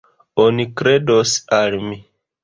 Oni kredos al mi.